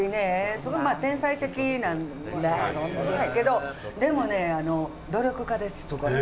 すごく天才的なんやけどでもね努力家ですすごい。